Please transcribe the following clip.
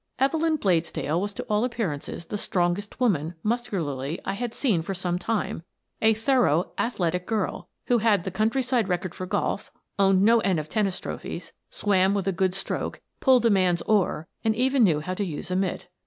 Evelyn Bladesdell was to all appearances the strongest woman, muscularly, I had seen for some time — a thorough "athletic girl," who had the countryside record for golf, owned no end of tennis trophies, swam with a good stroke, pulled a man's oar, and even knew how to use a mit.